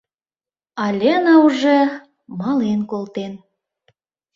А Лена уже мален колтен.